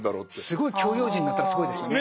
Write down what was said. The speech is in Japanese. すごい教養人になったらすごいですよね。